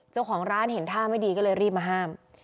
เจ้าของร้านเห็นท่าไม่ดีก็เลยรีบมาห้าม